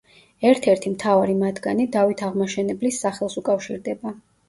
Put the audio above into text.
ერთ-ერთი მთავარი მათგანი დავით აღმაშენებლის სახელს უკავშირდება.